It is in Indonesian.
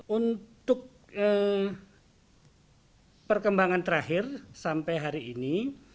untuk perkembangan terakhir sampai hari ini